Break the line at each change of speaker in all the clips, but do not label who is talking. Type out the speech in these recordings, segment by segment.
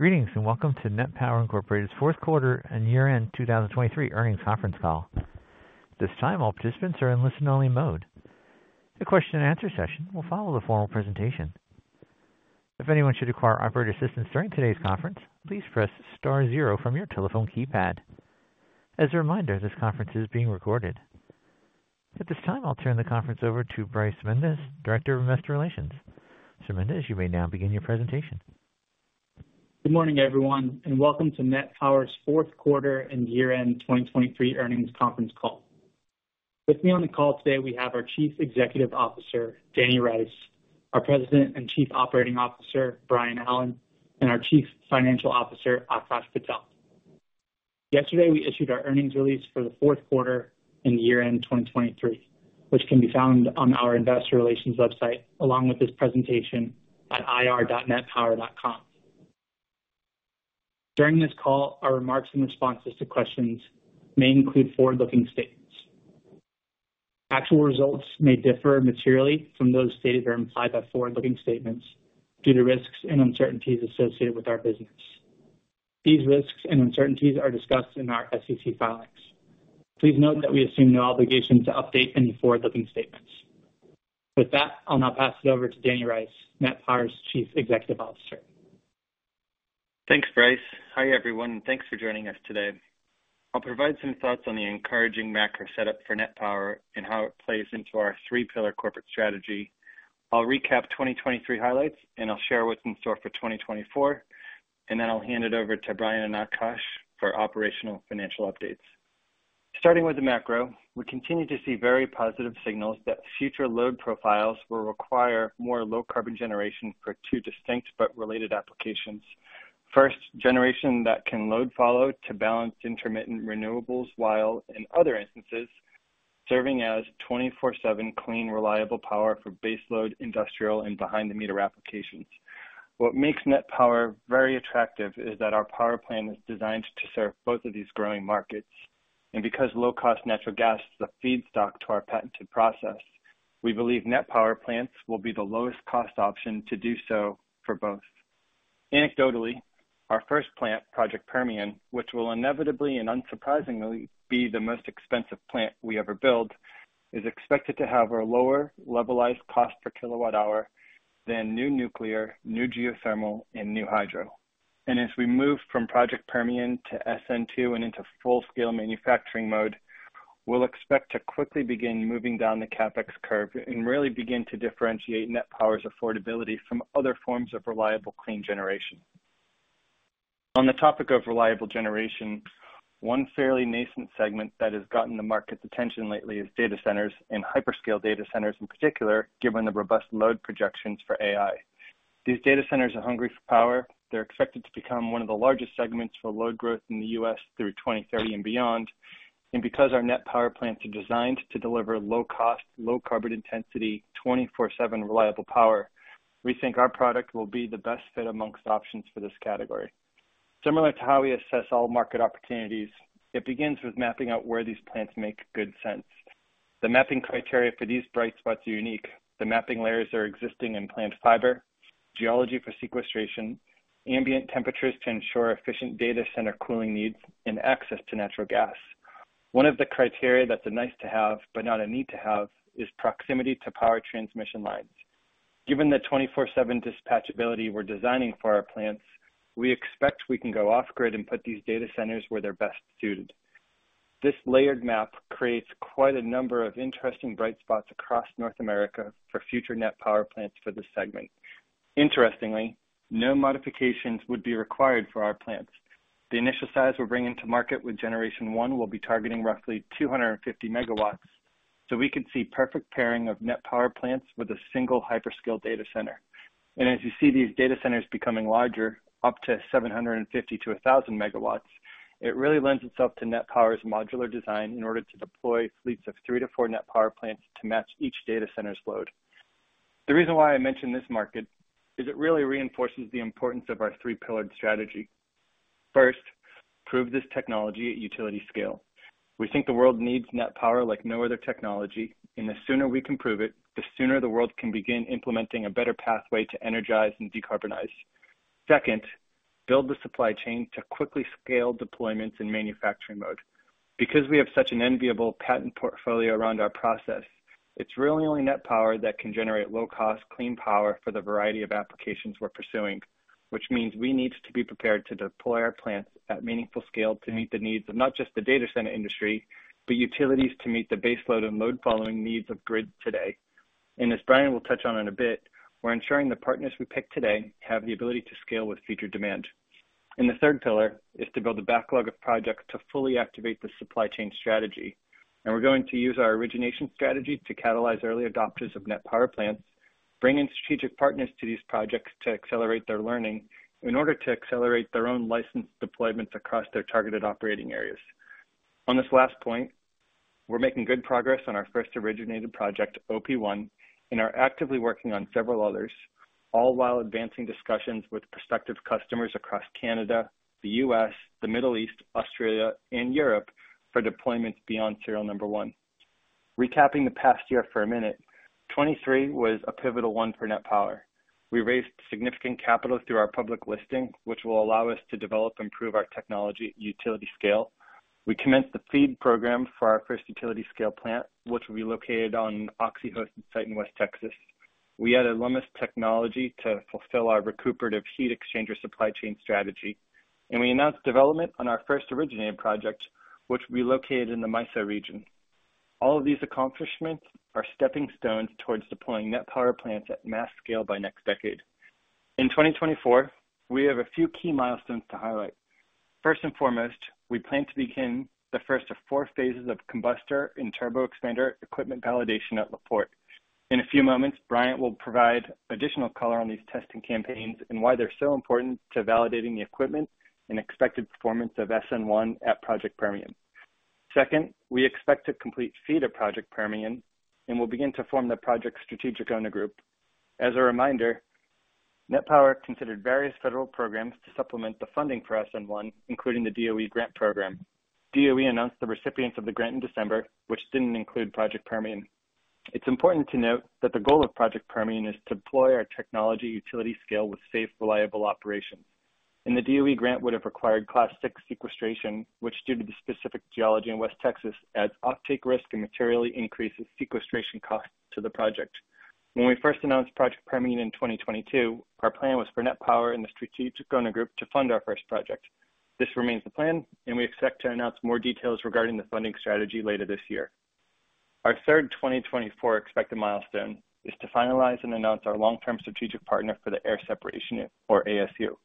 Greetings, and welcome to NET Power Incorporated's fourth quarter and year-end 2023 earnings conference call. This time, all participants are in listen-only mode. The question and answer session will follow the formal presentation. If anyone should require operator assistance during today's conference, please press star zero from your telephone keypad. As a reminder, this conference is being recorded. At this time, I'll turn the conference over to Bryce Mendes, Director of Investor Relations. Mr. Mendes, you may now begin your presentation.
Good morning, everyone, and welcome to NET Power's fourth quarter and year-end 2023 earnings conference call. With me on the call today, we have our Chief Executive Officer, Danny Rice; our President and Chief Operating Officer, Brian Allen, and our Chief Financial Officer, Akash Patel. Yesterday, we issued our earnings release for the fourth quarter and year-end 2023, which can be found on our investor relations website, along with this presentation at ir.netpower.com. During this call, our remarks and responses to questions may include forward-looking statements. Actual results may differ materially from those stated or implied by forward-looking statements due to risks and uncertainties associated with our business. These risks and uncertainties are discussed in our SEC filings. Please note that we assume no obligation to update any forward-looking statements. With that, I'll now pass it over to Danny Rice, NET Power's Chief Executive Officer.
Thanks, Bryce. Hi, everyone, and thanks for joining us today. I'll provide some thoughts on the encouraging macro setup for NET Power and how it plays into our three-pillar corporate strategy. I'll recap 2023 highlights, and I'll share what's in store for 2024, and then I'll hand it over to Brian and Akash for operational financial updates. Starting with the macro, we continue to see very positive signals that future load profiles will require more low carbon generation for two distinct but related applications. First, generation that can load follow to balance intermittent renewables, while in other instances, serving as 24/7 clean, reliable power for baseload, industrial, and behind the meter applications. What makes NET Power very attractive is that our power plant is designed to serve both of these growing markets, and because low-cost natural gas is a feedstock to our patented process, we believe NET Power plants will be the lowest cost option to do so for both. Anecdotally, our first plant, Project Permian, which will inevitably and unsurprisingly be the most expensive plant we ever build, is expected to have a lower levelized cost per kilowatt hour than new nuclear, new geothermal and new hydro. As we move from Project Permian to SN2 and into full-scale manufacturing mode, we'll expect to quickly begin moving down the CapEx curve and really begin to differentiate NET Power's affordability from other forms of reliable, clean generation. On the topic of reliable generation, one fairly nascent segment that has gotten the market's attention lately is data centers and hyperscale data centers in particular, given the robust load projections for AI. These data centers are hungry for power. They're expected to become one of the largest segments for load growth in the U.S. through 2030 and beyond. And because our NET Power plants are designed to deliver low cost, low carbon intensity, 24/7 reliable power, we think our product will be the best fit among options for this category. Similar to how we assess all market opportunities, it begins with mapping out where these plants make good sense. The mapping criteria for these bright spots are unique. The mapping layers are existing in plant fiber, geology for sequestration, ambient temperatures to ensure efficient data center cooling needs, and access to natural gas. One of the criteria that's a nice-to-have, but not a need-to-have, is proximity to power transmission lines. Given the 24/7 dispatchability we're designing for our plants, we expect we can go off grid and put these data centers where they're best suited. This layered map creates quite a number of interesting bright spots across North America for future NET Power plants for this segment. Interestingly, no modifications would be required for our plants. The initial size we're bringing to market with Generation One will be targeting roughly 250 MW, so we could see perfect pairing of NET Power plants with a single hyperscale data center. As you see these data centers becoming larger, up to 750-1,000 MW, it really lends itself to NET Power's modular design in order to deploy fleets of three to four NET Power plants to match each data center's load. The reason why I mention this market is it really reinforces the importance of our three-pillared strategy. First, prove this technology at utility scale. We think the world needs NET Power like no other technology, and the sooner we can prove it, the sooner the world can begin implementing a better pathway to energize and decarbonize. Second, build the supply chain to quickly scale deployments in manufacturing mode. Because we have such an enviable patent portfolio around our process, it's really only NET Power that can generate low-cost, clean power for the variety of applications we're pursuing, which means we need to be prepared to deploy our plants at meaningful scale to meet the needs of not just the data center industry, but utilities to meet the baseload and load following needs of grid today. As Brian will touch on in a bit, we're ensuring the partners we pick today have the ability to scale with future demand. The third pillar is to build a backlog of projects to fully activate the supply chain strategy. We're going to use our origination strategy to catalyze early adopters of NET Power plants, bring in strategic partners to these projects to accelerate their learning in order to accelerate their own licensed deployments across their targeted operating areas. On this last point, we're making good progress on our first originated project, OP1, and are actively working on several others, all while advancing discussions with prospective customers across Canada, the U.S., the Middle East, Australia and Europe for deployments beyond serial number one. Recapping the past year for a minute, 2023 was a pivotal one for NET Power. We raised significant capital through our public listing, which will allow us to develop and improve our technology at utility-scale. We commenced the FEED program for our first utility-scale plant, which will be located on Oxy hosted site in West Texas. We added Lummus Technology to fulfill our recuperative heat exchanger supply chain strategy, and we announced development on our first originated project, which will be located in the MISO region. All of these accomplishments are stepping stones towards deploying NET Power plants at mass scale by next decade. In 2024, we have a few key milestones to highlight. First and foremost, we plan to begin the first of four phases of combustor and turboexpander equipment validation at La Porte. In a few moments, Brian will provide additional color on these testing campaigns and why they're so important to validating the equipment and expected performance of SN1 at Project Permian. Second, we expect to complete FEED of Project Permian and will begin to form the project strategic owner group. As a reminder, NET Power considered various federal programs to supplement the funding for SN1, including the DOE grant program. DOE announced the recipients of the grant in December, which didn't include Project Permian. It's important to note that the goal of Project Permian is to deploy our technology utility scale with safe, reliable operation, and the DOE grant would have required Class VI sequestration, which, due to the specific geology in West Texas, adds uptake risk and materially increases sequestration costs to the project. When we first announced Project Permian in 2022, our plan was for NET Power and the strategic owner group to fund our first project. This remains the plan, and we expect to announce more details regarding the funding strategy later this year. Our third 2024 expected milestone is to finalize and announce our long-term strategic partner for the air separation unit, or ASU,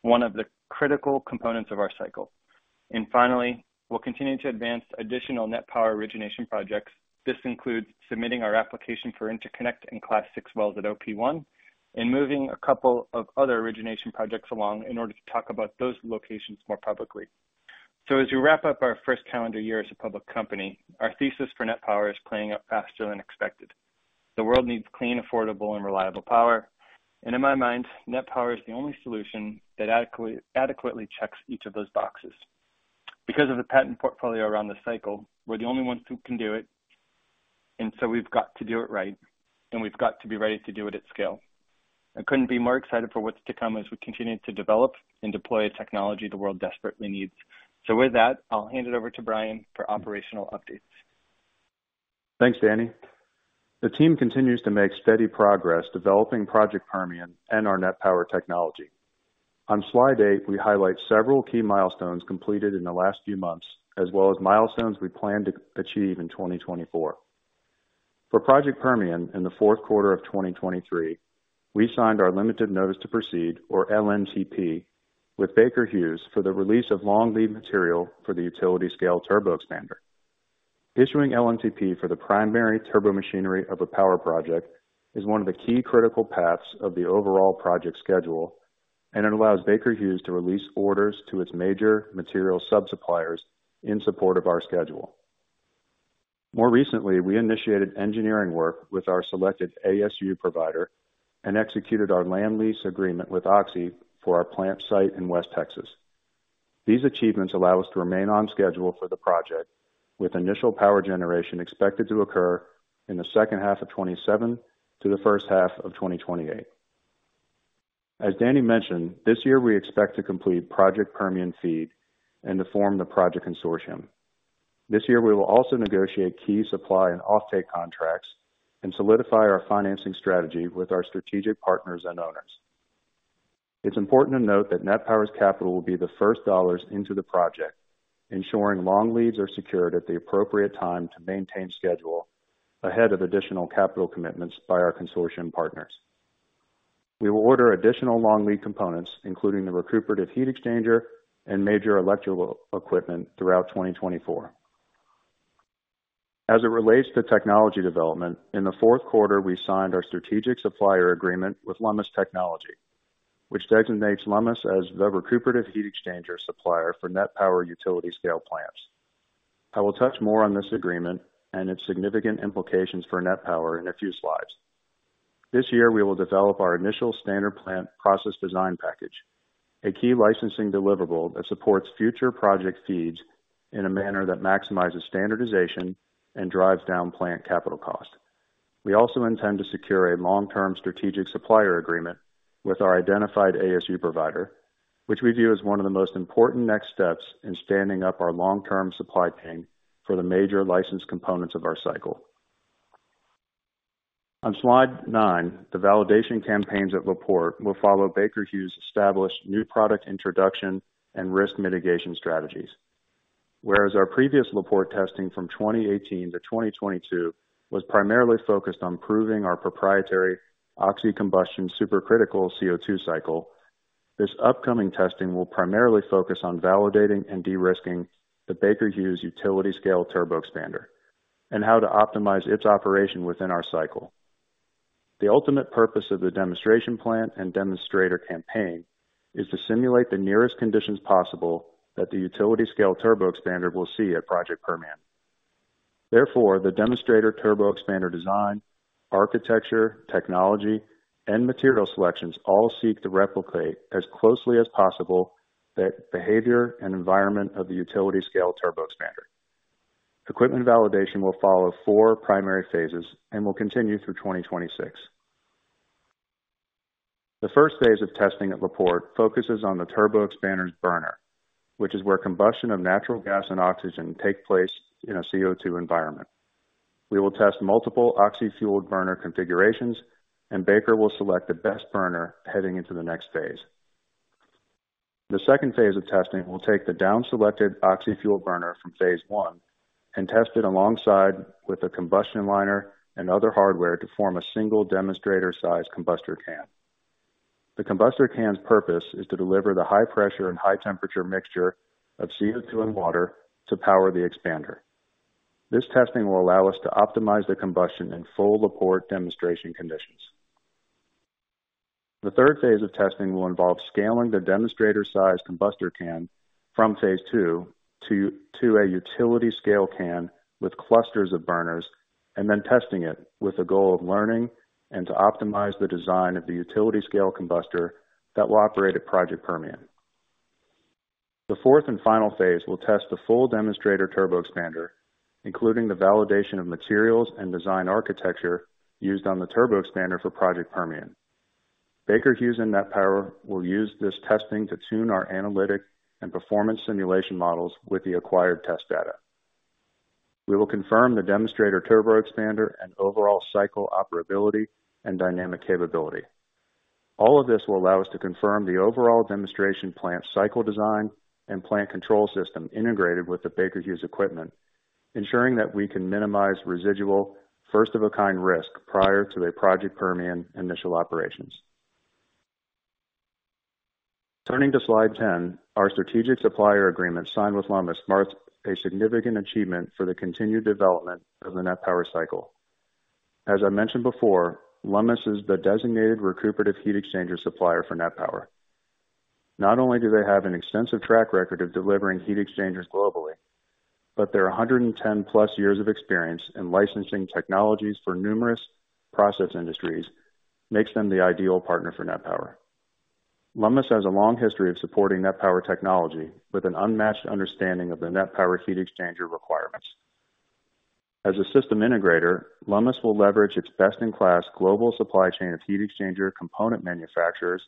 one of the critical components of our cycle. And finally, we'll continue to advance additional NET Power origination projects. This includes submitting our application for interconnect and Class VI wells at OP1, and moving a couple of other origination projects along in order to talk about those locations more publicly. So as we wrap up our first calendar year as a public company, our thesis for NET Power is playing out faster than expected. The world needs clean, affordable, and reliable power, and in my mind, NET Power is the only solution that adequately checks each of those boxes. Because of the patent portfolio around the cycle, we're the only ones who can do it, and so we've got to do it right, and we've got to be ready to do it at scale. I couldn't be more excited for what's to come as we continue to develop and deploy a technology the world desperately needs. So with that, I'll hand it over to Brian for operational updates.
Thanks, Danny. The team continues to make steady progress developing Project Permian and our NET Power technology. On slide 8, we highlight several key milestones completed in the last few months, as well as milestones we plan to achieve in 2024. For Project Permian, in the fourth quarter of 2023, we signed our limited notice to proceed, or LNTP, with Baker Hughes for the release of long lead material for the utility scale turboexpander. Issuing LNTP for the primary turbomachinery of a power project is one of the key critical paths of the overall project schedule, and it allows Baker Hughes to release orders to its major material sub-suppliers in support of our schedule. More recently, we initiated engineering work with our selected ASU provider and executed our land lease agreement with Oxy for our plant site in West Texas. These achievements allow us to remain on schedule for the project, with initial power generation expected to occur in the second half of 2027 to the first half of 2028. As Danny mentioned, this year we expect to complete Project Permian FEED and to form the project consortium. This year, we will also negotiate key supply and offtake contracts and solidify our financing strategy with our strategic partners and owners. It's important to note that NET Power's capital will be the first dollars into the project, ensuring long leads are secured at the appropriate time to maintain schedule ahead of additional capital commitments by our consortium partners. We will order additional long lead components, including the recuperative heat exchanger and major electrical equipment, throughout 2024. As it relates to technology development, in the fourth quarter, we signed our strategic supplier agreement with Lummus Technology, which designates Lummus as the recuperative heat exchanger supplier for NET Power utility-scale plants. I will touch more on this agreement and its significant implications for NET Power in a few slides. This year, we will develop our initial standard plant process design package, a key licensing deliverable that supports future project FEEDs in a manner that maximizes standardization and drives down plant capital cost. We also intend to secure a long-term strategic supplier agreement with our identified ASU provider, which we view as one of the most important next steps in standing up our long-term supply chain for the major licensed components of our cycle. On slide nine, the validation campaigns at La Porte will follow Baker Hughes' established new product introduction and risk mitigation strategies. Whereas our previous La Porte testing from 2018 to 2022 was primarily focused on proving our proprietary oxy combustion supercritical CO2 cycle, this upcoming testing will primarily focus on validating and de-risking the Baker Hughes utility scale turboexpander and how to optimize its operation within our cycle. The ultimate purpose of the demonstration plant and demonstrator campaign is to simulate the nearest conditions possible that the utility scale turboexpander will see at Project Permian. Therefore, the demonstrator turboexpander design, architecture, technology, and material selections all seek to replicate as closely as possible the behavior and environment of the utility scale turboexpander. Equipment validation will follow four primary phases and will continue through 2026. The first phase of testing at La Porte focuses on the turboexpander's burner, which is where combustion of natural gas and oxygen take place in a CO2 environment. We will test multiple oxy-fuel burner configurations, and Baker will select the best burner heading into the next phase. The second phase of testing will take the downselected oxy-fuel burner from phase one and test it alongside with a combustion liner and other hardware to form a single demonstrator size combustor can. The combustor can's purpose is to deliver the high pressure and high temperature mixture of CO2 and water to power the expander. This testing will allow us to optimize the combustion in full La Porte demonstration conditions. The third phase of testing will involve scaling the demonstrator size combustor can from phase two to a utility scale can with clusters of burners, and then testing it with the goal of learning and to optimize the design of the utility scale combustor that will operate at Project Permian. The fourth and final phase will test the full demonstrator turboexpander, including the validation of materials and design architecture used on the turboexpander for Project Permian. Baker Hughes and NET Power will use this testing to tune our analytic and performance simulation models with the acquired test data. We will confirm the demonstrator turboexpander and overall cycle operability and dynamic capability. All of this will allow us to confirm the overall demonstration plant cycle design and plant control system integrated with the Baker Hughes equipment, ensuring that we can minimize residual first of a kind risk prior to a Project Permian initial operations. Turning to slide 10, our strategic supplier agreement signed with Lummus marks a significant achievement for the continued development of the NET Power cycle. As I mentioned before, Lummus is the designated recuperative heat exchanger supplier for NET Power. Not only do they have an extensive track record of delivering heat exchangers globally, but their 110+ years of experience in licensing technologies for numerous process industries makes them the ideal partner for NET Power. Lummus has a long history of supporting NET Power technology with an unmatched understanding of the NET Power heat exchanger requirements. As a system integrator, Lummus will leverage its best-in-class global supply chain of heat exchanger component manufacturers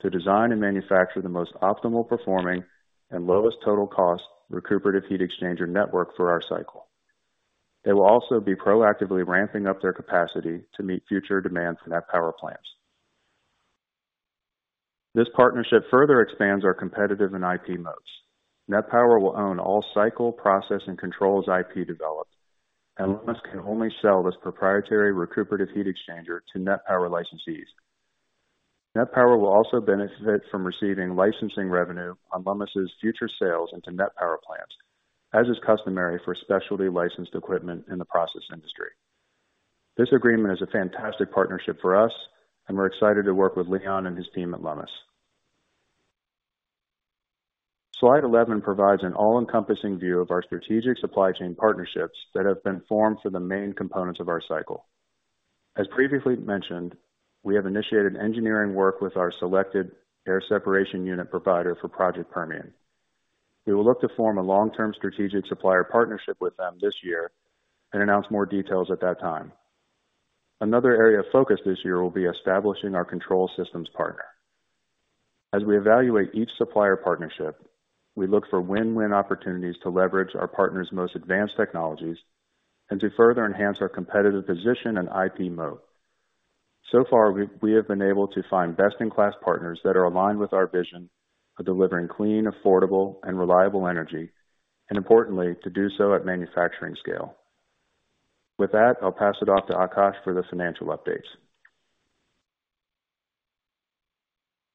to design and manufacture the most optimal performing and lowest total cost recuperative heat exchanger network for our cycle. They will also be proactively ramping up their capacity to meet future demand for NET Power plants. This partnership further expands our competitive and IP moats. NET Power will own all cycle, process, and controls IP developed, and Lummus can only sell this proprietary recuperative heat exchanger to NET Power licensees. NET Power will also benefit from receiving licensing revenue on Lummus' future sales into NET Power plants, as is customary for specialty licensed equipment in the process industry. This agreement is a fantastic partnership for us, and we're excited to work with Leon and his team at Lummus. Slide 11 provides an all-encompassing view of our strategic supply chain partnerships that have been formed for the main components of our cycle. As previously mentioned, we have initiated engineering work with our selected air separation unit provider for Project Permian. We will look to form a long-term strategic supplier partnership with them this year and announce more details at that time. Another area of focus this year will be establishing our control systems partner. As we evaluate each supplier partnership, we look for win-win opportunities to leverage our partners' most advanced technologies and to further enhance our competitive position and IP moat. So far, we have been able to find best-in-class partners that are aligned with our vision of delivering clean, affordable, and reliable energy, and importantly, to do so at manufacturing scale. With that, I'll pass it off to Akash for the financial updates.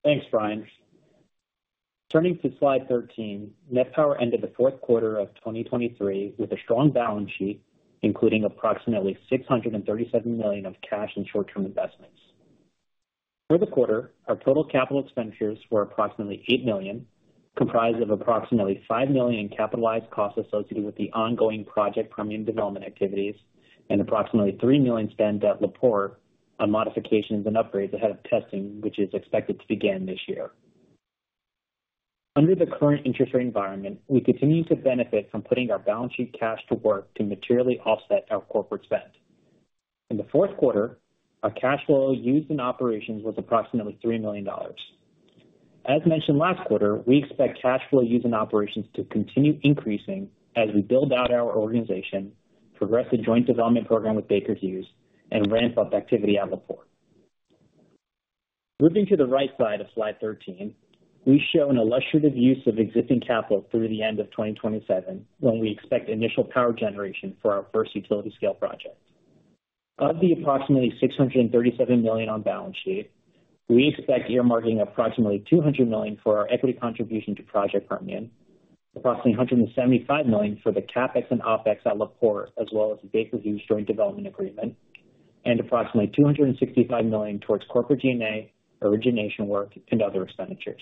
Thanks, Brian. Turning to slide 13, NET Power ended the fourth quarter of 2023 with a strong balance sheet, including approximately $637 million of cash and short-term investments. For the quarter, our total capital expenditures were approximately $8 million, comprised of approximately $5 million in capitalized costs associated with the ongoing Project Permian development activities and approximately $3 million spent at La Porte on modifications and upgrades ahead of testing, which is expected to begin this year. Under the current interest rate environment, we continue to benefit from putting our balance sheet cash to work to materially offset our corporate spend. In the fourth quarter, our cash flow used in operations was approximately $3 million. As mentioned last quarter, we expect cash flow used in operations to continue increasing as we build out our organization, progress the joint development program with Baker Hughes, and ramp up activity at La Porte. Moving to the right side of slide 13, we show an illustrative use of existing capital through the end of 2027, when we expect initial power generation for our first utility-scale project. Of the approximately $637 million on balance sheet, we expect earmarking approximately $200 million for our equity contribution to Project Permian, approximately $175 million for the CapEx and OpEx at La Porte, as well as the Baker Hughes joint development agreement, and approximately $265 million towards corporate G&A, origination work, and other expenditures.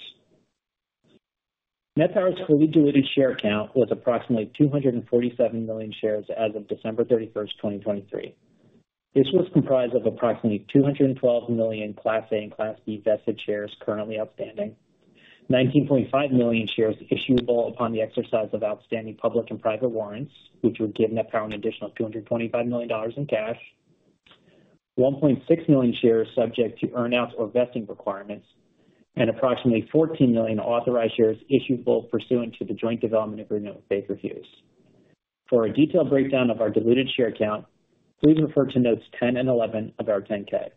NET Power's fully diluted share count was approximately 247 million shares as of December 31, 2023. ...This was comprised of approximately 212 million Class A and Class B vested shares currently outstanding. 19.5 million shares issuable upon the exercise of outstanding public and private warrants, which would give NET Power an additional $225 million in cash. 1.6 million shares subject to earn-outs or vesting requirements, and approximately 14 million authorized shares issuable pursuant to the joint development agreement with Baker Hughes. For a detailed breakdown of our diluted share count, please refer to notes 10 and 11 of our 10-K.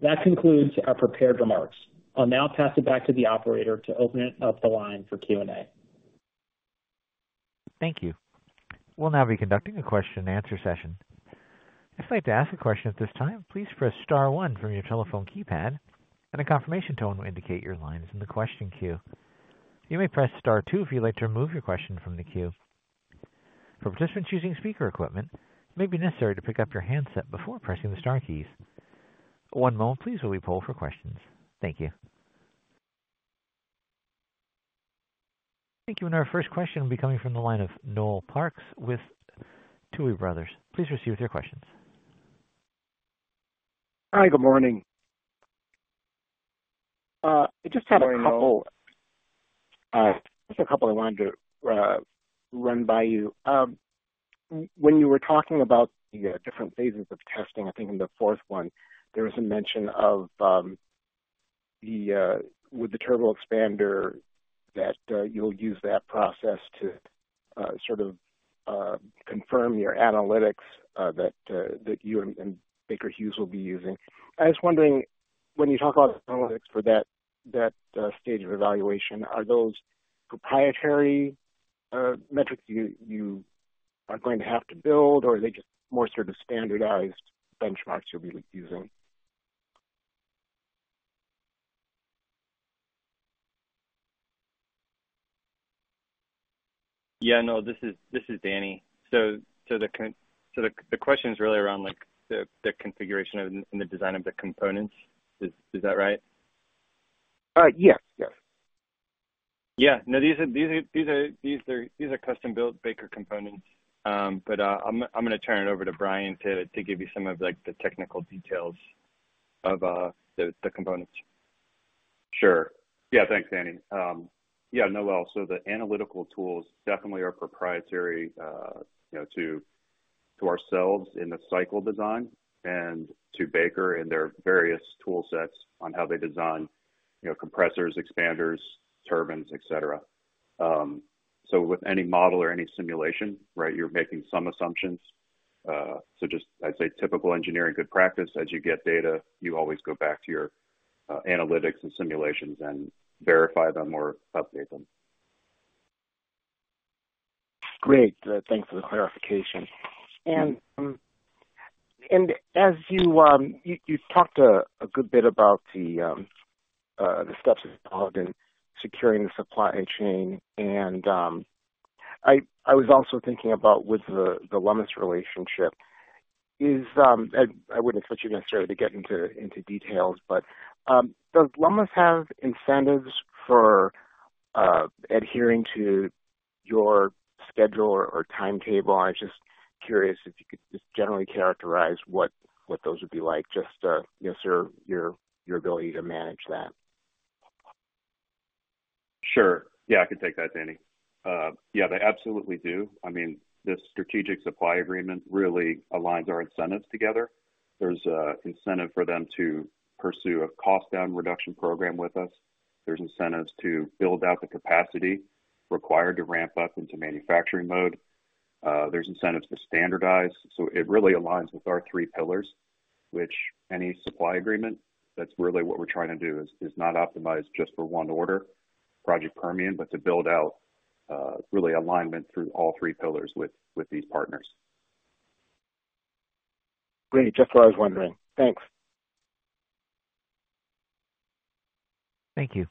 That concludes our prepared remarks. I'll now pass it back to the operator to open up the line for Q&A.
Thank you. We'll now be conducting a question and answer session. If you'd like to ask a question at this time, please press star one from your telephone keypad, and a confirmation tone will indicate your line is in the question queue. You may press star two if you'd like to remove your question from the queue. For participants using speaker equipment, it may be necessary to pick up your handset before pressing the star keys. One moment please, while we poll for questions. Thank you. Thank you. Our first question will be coming from the line of Noel Parks with Tuohy Brothers. Please proceed with your questions.
Hi, good morning. I just had a couple-
Good morning, Noel.
Just a couple I wanted to run by you. When you were talking about the different phases of testing, I think in the fourth one, there was a mention of with the turboexpander, that you'll use that process to sort of confirm your analytics that you and Baker Hughes will be using. I was wondering, when you talk about analytics for that stage of evaluation, are those proprietary metrics you are going to have to build, or are they just more sort of standardized benchmarks you'll be using?
Yeah, no, this is Danny. So, the question is really around, like, the configuration of and the design of the components. Is that right?
Yes. Yes.
Yeah. No, these are custom-built Baker components. But I'm going to turn it over to Brian to give you some of, like, the technical details of the components.
Sure. Yeah, thanks, Danny. Yeah, Noel, so the analytical tools definitely are proprietary, you know, to, to ourselves in the cycle design and to Baker and their various tool sets on how they design, you know, compressors, expanders, turbines, et cetera. So with any model or any simulation, right, you're making some assumptions. So just I'd say typical engineering, good practice. As you get data, you always go back to your, analytics and simulations and verify them or update them.
Great. Thanks for the clarification. As you talked a good bit about the steps involved in securing the supply chain. I was also thinking about the Lummus relationship. I wouldn't expect you necessarily to get into details, but does Lummus have incentives for adhering to your schedule or timetable? I was just curious if you could just generally characterize what those would be like, just your ability to manage that.
Sure. Yeah, I can take that, Danny. Yeah, they absolutely do. I mean, the strategic supply agreement really aligns our incentives together. There's an incentive for them to pursue a cost down reduction program with us. There's incentives to build out the capacity required to ramp up into manufacturing mode. There's incentives to standardize. So it really aligns with our three pillars, which any supply agreement, that's really what we're trying to do, is not optimize just for one order, Project Permian, but to build out really alignment through all three pillars with these partners.
Great. Just what I was wondering. Thanks.
Thank you.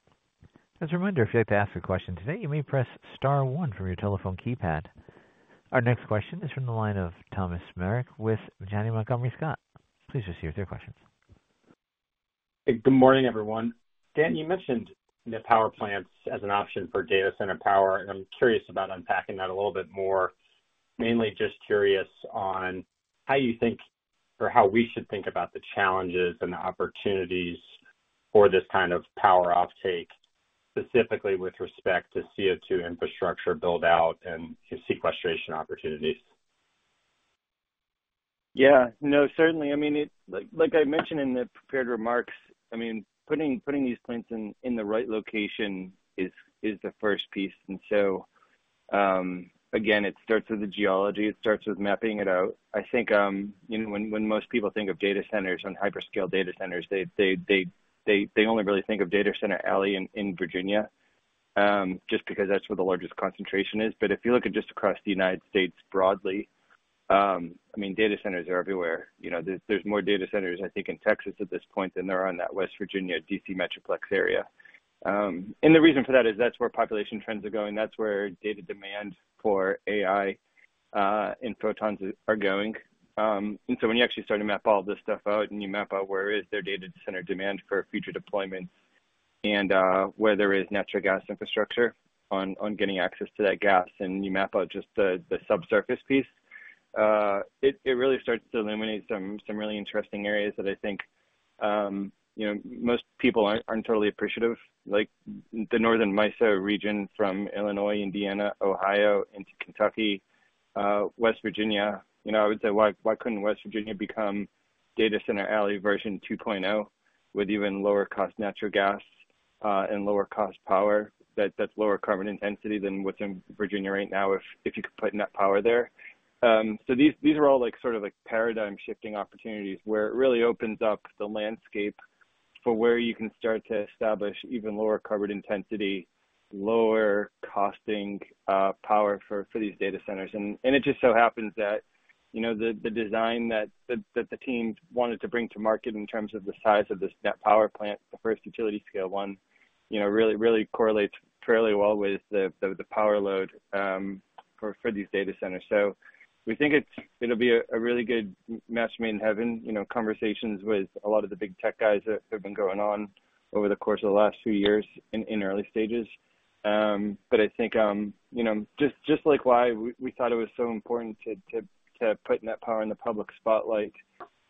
As a reminder, if you'd like to ask a question today, you may press star one from your telephone keypad. Our next question is from the line of Thomas Meric with Janney Montgomery Scott. Please proceed with your questions.
Good morning, everyone. Dan, you mentioned the power plants as an option for data center power, and I'm curious about unpacking that a little bit more. Mainly just curious on how you think or how we should think about the challenges and the opportunities for this kind of power offtake, specifically with respect to CO2 infrastructure build-out and sequestration opportunities.
Yeah. No, certainly. I mean, it, like I mentioned in the prepared remarks, I mean, putting these plants in the right location is the first piece. And so, again, it starts with the geology. It starts with mapping it out. I think, you know, when most people think of data centers and hyperscale data centers, they only really think of Data Center Alley in Virginia, just because that's where the largest concentration is. But if you look at just across the United States broadly, I mean, data centers are everywhere. You know, there's more data centers, I think, in Texas at this point than there are on that West Virginia-D.C. metroplex area. And the reason for that is that's where population trends are going. That's where data demand for AI and protons are going. And so when you actually start to map all this stuff out and you map out where is their data center demand for future deployment? And where there is natural gas infrastructure on getting access to that gas, and you map out just the subsurface piece, it really starts to illuminate some really interesting areas that I think, you know, most people aren't totally appreciative. Like the northern MISO region from Illinois, Indiana, Ohio into Kentucky, West Virginia. You know, I would say, why couldn't West Virginia become Data Center Alley version 2.0, with even lower cost natural gas and lower cost power? That's lower carbon intensity than what's in Virginia right now if you could put NET Power there. So these are all like, sort of like paradigm-shifting opportunities, where it really opens up the landscape for where you can start to establish even lower carbon intensity, lower costing power for these data centers. And it just so happens that, you know, the design that the teams wanted to bring to market in terms of the size of this NET Power plant, the first utility scale one, you know, really correlates fairly well with the power load for these data centers. So we think it'll be a really good match made in heaven. You know, conversations with a lot of the big tech guys have been going on over the course of the last few years in early stages. But I think, you know, just like why we thought it was so important to put NET Power in the public spotlight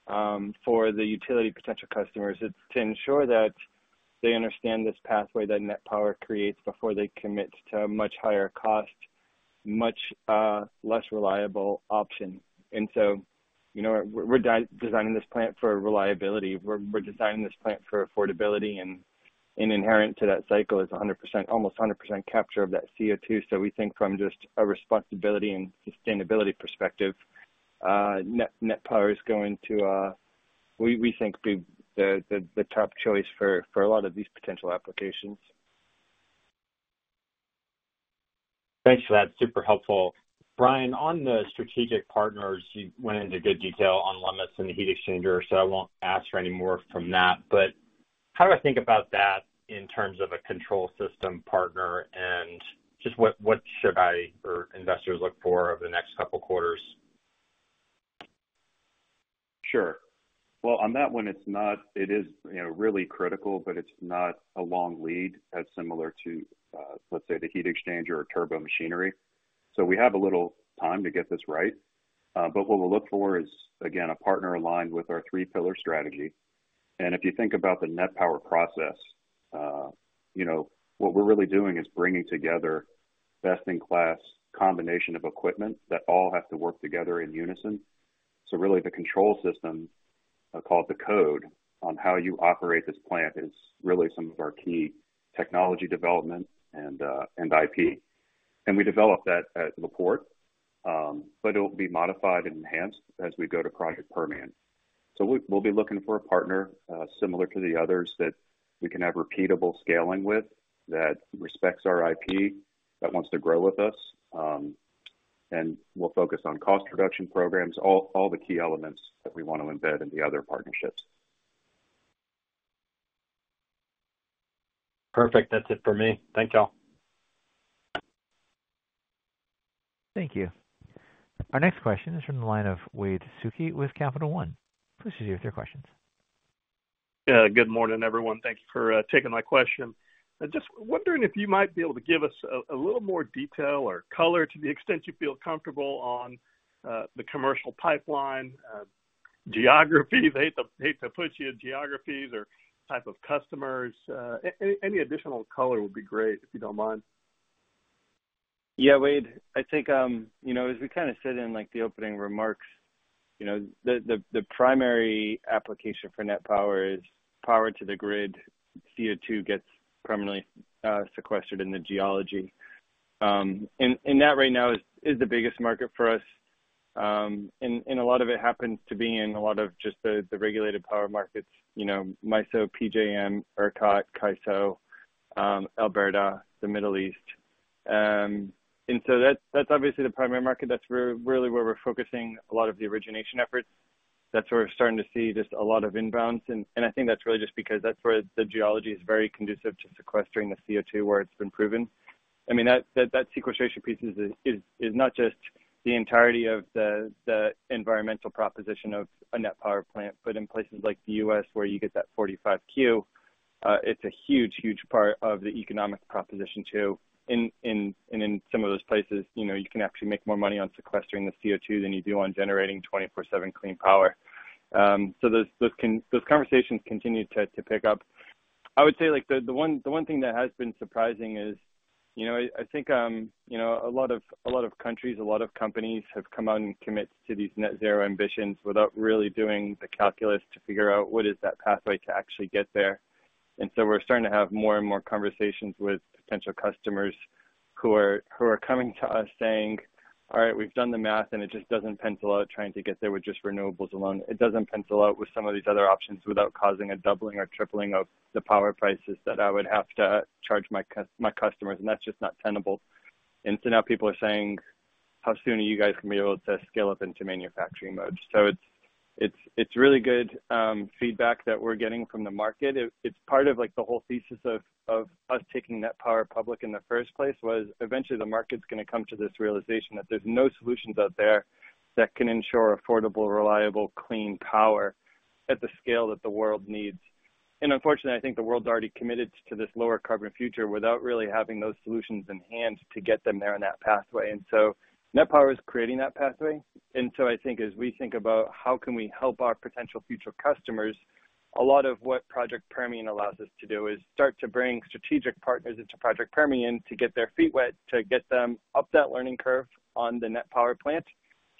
for the utility potential customers. It's to ensure that they understand this pathway that NET Power creates before they commit to a much higher cost, much less reliable option. And so, you know, we're designing this plant for reliability. We're designing this plant for affordability, and inherent to that cycle is 100%—almost 100% capture of that CO2. So we think from just a responsibility and sustainability perspective, NET Power is going to, we think, be the top choice for a lot of these potential applications.
Thanks for that. Super helpful. Brian, on the strategic partners, you went into good detail on Lummus and the heat exchanger, so I won't ask for any more from that. But how do I think about that in terms of a control system partner? And just what, what should I, or investors look for over the next couple quarters?
Sure. Well, on that one, it's not... It is, you know, really critical, but it's not a long lead, as similar to, let's say, the heat exchanger or turbo machinery. So we have a little time to get this right. But what we'll look for is, again, a partner aligned with our three pillar strategy. And if you think about the NET Power process, you know, what we're really doing is bringing together best-in-class combination of equipment that all have to work together in unison. So really, the control system, called the code, on how you operate this plant is really some of our key technology development and, and IP. And we developed that at La Porte, but it will be modified and enhanced as we go to Project Permian. So we'll be looking for a partner similar to the others, that we can have repeatable scaling with, that respects our IP, that wants to grow with us. And we'll focus on cost reduction programs, all the key elements that we want to embed in the other partnerships.
Perfect. That's it for me. Thank you all.
Thank you. Our next question is from the line of Wade Suki with Capital One. Please proceed with your questions.
Yeah, good morning, everyone. Thank you for taking my question. I'm just wondering if you might be able to give us a little more detail or color, to the extent you feel comfortable, on the commercial pipeline geography. I hate to push you on geographies or type of customers. Any additional color would be great, if you don't mind.
Yeah, Wade, I think, you know, as we kind of said in, like, the opening remarks, you know, the primary application for NET Power is power to the grid. CO2 gets permanently sequestered in the geology. And that right now is the biggest market for us. And a lot of it happens to be in a lot of just the regulated power markets, you know, MISO, PJM, ERCOT, CAISO, Alberta, the Middle East. And so that's obviously the primary market. That's really where we're focusing a lot of the origination efforts. That's where we're starting to see just a lot of inbounds, and I think that's really just because that's where the geology is very conducive to sequestering the CO2, where it's been proven. I mean, that sequestration piece is not just the entirety of the environmental proposition of a NET Power plant, but in places like the U.S., where you get that 45Q, it's a huge part of the economic proposition too. In some of those places, you know, you can actually make more money on sequestering the CO2 than you do on generating 24/7 clean power. So those conversations continue to pick up. I would say, like, the one thing that has been surprising is, you know, I think, you know, a lot of countries, a lot of companies have come out and committed to these net zero ambitions without really doing the calculus to figure out what is that pathway to actually get there. And so we're starting to have more and more conversations with potential customers who are coming to us saying, "All right, we've done the math, and it just doesn't pencil out, trying to get there with just renewables alone. It doesn't pencil out with some of these other options without causing a doubling or tripling of the power prices that I would have to charge my customers, and that's just not tenable. And so now people are saying: How soon are you guys going to be able to scale up into manufacturing mode? So it's really good feedback that we're getting from the market. It's part of, like, the whole thesis of us taking NET Power public in the first place, was eventually the market's going to come to this realization that there's no solutions out there that can ensure affordable, reliable, clean power... at the scale that the world needs. And unfortunately, I think the world's already committed to this lower carbon future without really having those solutions in hand to get them there on that pathway. NET Power is creating that pathway. I think as we think about how can we help our potential future customers, a lot of what Project Permian allows us to do is start to bring strategic partners into Project Permian to get their feet wet, to get them up that learning curve on the NET Power plant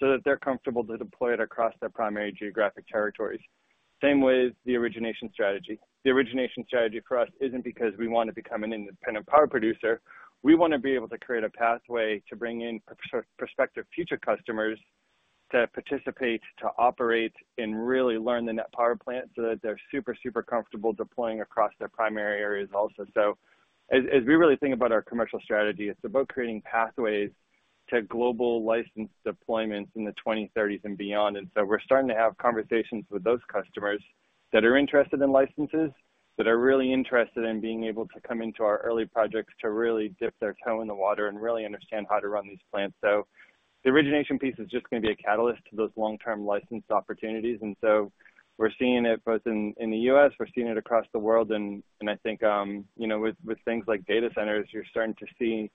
so that they're comfortable to deploy it across their primary geographic territories. Same with the origination strategy. The origination strategy for us isn't because we want to become an independent power producer. We want to be able to create a pathway to bring in prospective future customers to participate, to operate, and really learn the NET Power plant so that they're super, super comfortable deploying across their primary areas also. So as, as we really think about our commercial strategy, it's about creating pathways to global licensed deployments in the 2030s and beyond. And so we're starting to have conversations with those customers that are interested in licenses, that are really interested in being able to come into our early projects to really dip their toe in the water and really understand how to run these plants. So the origination piece is just going to be a catalyst to those long-term license opportunities. And so we're seeing it both in, in the U.S., we're seeing it across the world. I think, you know, with things like data centers, you're starting to see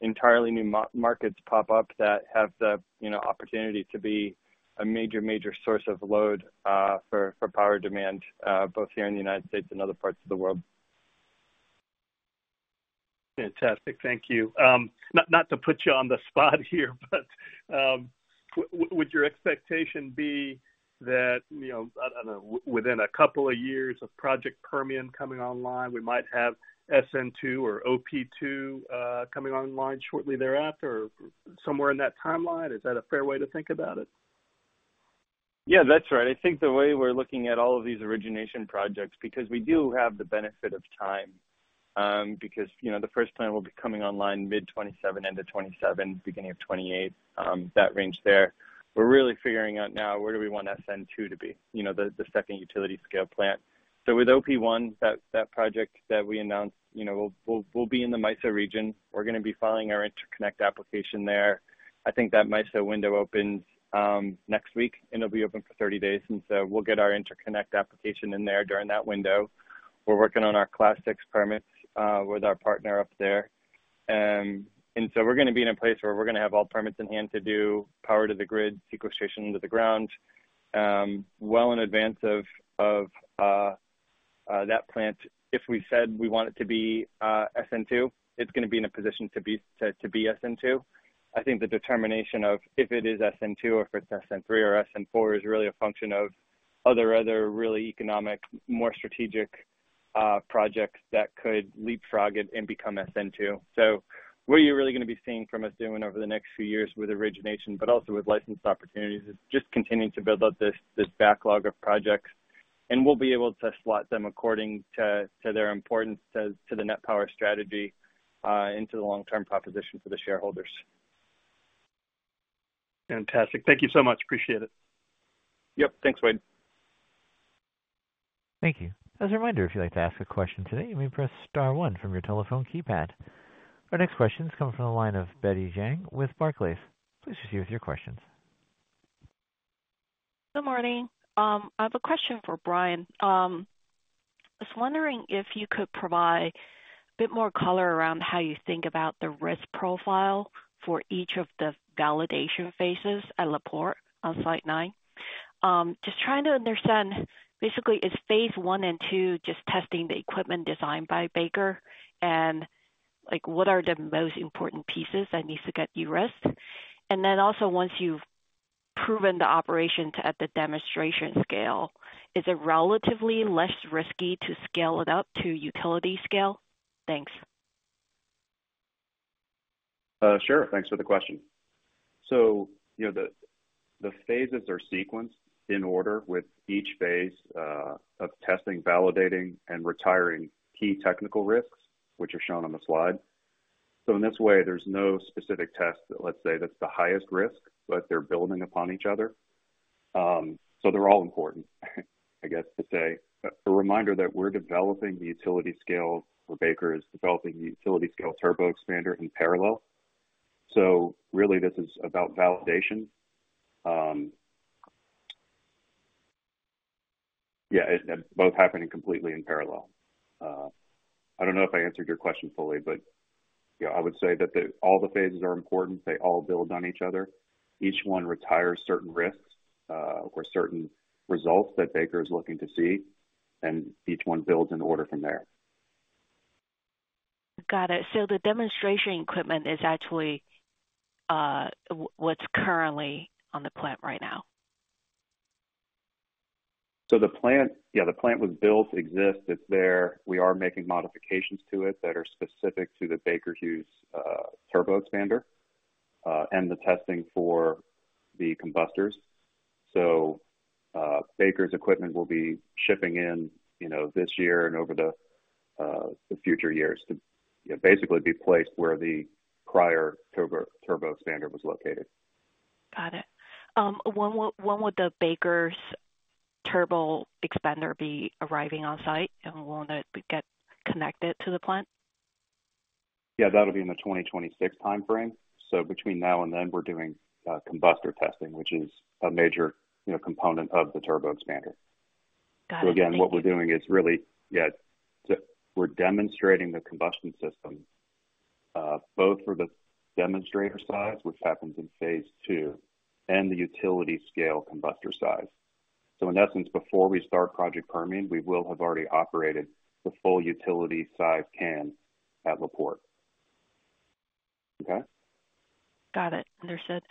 entirely new markets pop up that have the, you know, opportunity to be a major, major source of load for power demand both here in the United States and other parts of the world.
Fantastic. Thank you. Not to put you on the spot here, but would your expectation be that, you know, I don't know, within a couple of years of Project Permian coming online, we might have SN2 or OP2 coming online shortly thereafter or somewhere in that timeline? Is that a fair way to think about it?
Yeah, that's right. I think the way we're looking at all of these origination projects, because we do have the benefit of time, because, you know, the first plant will be coming online mid-2027, end of 2027, beginning of 2028, that range there. We're really figuring out now where do we want SN2 to be, you know, the second utility scale plant. So with OP1, that project that we announced, you know, will be in the MISO region. We're going to be filing our interconnect application there. I think that MISO window opens, next week, and it'll be open for 30 days, and so we'll get our interconnect application in there during that window. We're working on our Class VI permits, with our partner up there. And so we're going to be in a place where we're going to have all permits in hand to do power to the grid, sequestration into the ground, well in advance of that plant. If we said we want it to be SN2, it's going to be in a position to be SN2. I think the determination of if it is SN2 or if it's SN3 or SN4 is really a function of other really economic, more strategic projects that could leapfrog it and become SN2. What you're really going to be seeing from us doing over the next few years with origination, but also with licensed opportunities, is just continuing to build out this backlog of projects, and we'll be able to slot them according to their importance to the NET Power strategy into the long-term proposition for the shareholders.
Fantastic. Thank you so much. Appreciate it.
Yep. Thanks, Wade.
Thank you. As a reminder, if you'd like to ask a question today, you may press star one from your telephone keypad. Our next question is coming from the line of Betty Jiang with Barclays. Please proceed with your questions.
Good morning. I have a question for Brian. I was wondering if you could provide a bit more color around how you think about the risk profile for each of the validation phases at La Porte on Site Nine. Just trying to understand, basically, is phase one and two just testing the equipment designed by Baker, and like, what are the most important pieces that needs to get de-risked? And then also, once you've proven the operations at the demonstration scale, is it relatively less risky to scale it up to utility scale? Thanks.
Sure. Thanks for the question. So you know, the phases are sequenced in order with each phase of testing, validating, and retiring key technical risks, which are shown on the slide. So in this way, there's no specific test that, let's say, that's the highest risk, but they're building upon each other. So they're all important, I guess, to say. A reminder that we're developing the utility scale, or Baker is developing the utility scale turboexpander in parallel. So really, this is about validation. Yeah, both happening completely in parallel. I don't know if I answered your question fully, but yeah, I would say that the... all the phases are important. They all build on each other. Each one retires certain risks, or certain results that Baker is looking to see, and each one builds in order from there.
Got it. So the demonstration equipment is actually, what's currently on the plant right now?
So the plant, yeah, the plant was built, exists. It's there. We are making modifications to it that are specific to the Baker Hughes turboexpander and the testing for the combustors. So, Baker's equipment will be shipping in, you know, this year and over the future years to, you know, basically be placed where the prior turboexpander was located.
Got it. When would the Baker Hughes' turboexpander be arriving on site, and when would it get connected to the plant?...
Yeah, that'll be in the 2026 timeframe. So between now and then, we're doing combustor testing, which is a major, you know, component of the turboexpander.
Got it. Thank you.
So again, what we're doing is really, yeah, we're demonstrating the combustion system, both for the demonstrator size, which happens in phase two, and the utility scale combustor size. So in essence, before we start Project Permian, we will have already operated the full utility size can at La Porte. Okay?
Got it. Understood.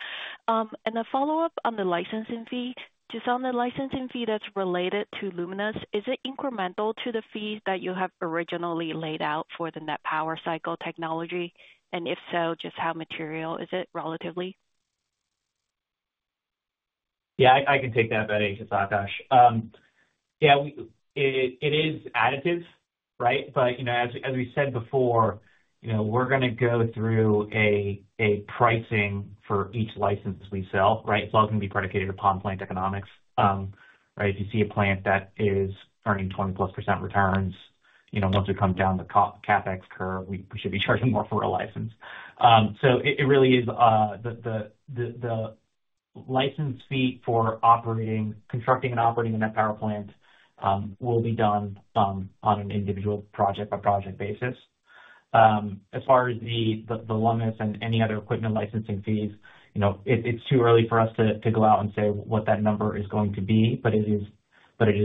A follow-up on the licensing fee. Just on the licensing fee that's related to Lummus, is it incremental to the fees that you have originally laid out for the NET Power Cycle technology? And if so, just how material is it relatively?
Yeah, I can take that, Betty. It's Akash. Yeah, we - it is additive, right? But, you know, as we said before, you know, we're gonna go through a pricing for each license we sell, right? It's all going to be predicated upon plant economics. Right. If you see a plant that is earning 20%+ returns, you know, once we come down the CapEx curve, we should be charging more for a license. So it really is, the license fee for operating, constructing and operating the NET Power plant, will be done, on an individual project-by-project basis. As far as the Lummus and any other equipment licensing fees, you know, it's too early for us to go out and say what that number is going to be, but it is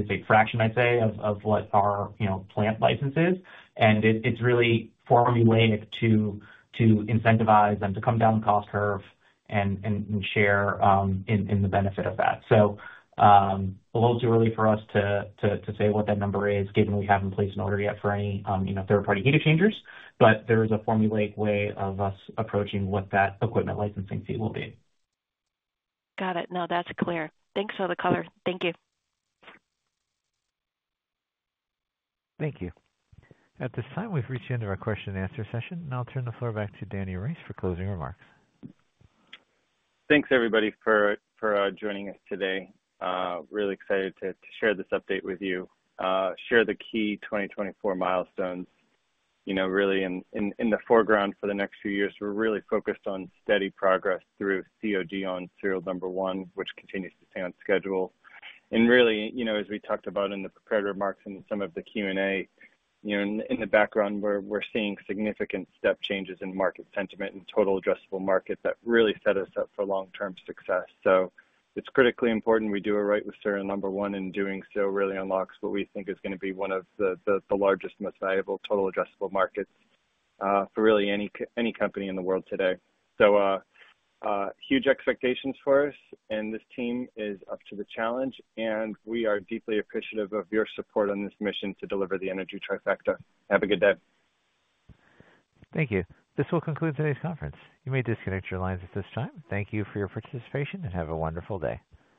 a fraction, I'd say, of what our, you know, plant license is. And it's really formulated to incentivize them to come down the cost curve and share in the benefit of that. So, a little too early for us to say what that number is, given we haven't placed an order yet for any, you know, third-party heat exchangers. But there is a formulated way of us approaching what that equipment licensing fee will be.
Got it. No, that's clear. Thanks for the color. Thank you.
Thank you. At this time, we've reached the end of our question and answer session, and I'll turn the floor back to Danny Rice for closing remarks.
Thanks, everybody, for joining us today. Really excited to share this update with you. Share the key 2024 milestones, you know, really in the foreground for the next few years. We're really focused on steady progress through COD on serial number one, which continues to stay on schedule. And really, you know, as we talked about in the prepared remarks and some of the Q&A, you know, in the background, we're seeing significant step changes in market sentiment and total addressable market that really set us up for long-term success. So it's critically important we do it right with serial number one, and doing so really unlocks what we think is going to be one of the largest, most valuable total addressable markets for really any company in the world today. Huge expectations for us, and this team is up to the challenge, and we are deeply appreciative of your support on this mission to deliver the energy trifecta. Have a good day.
Thank you. This will conclude today's conference. You may disconnect your lines at this time. Thank you for your participation, and have a wonderful day.